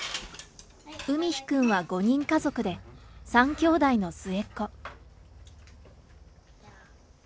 海陽くんは５人家族で３きょうだいの末っ子。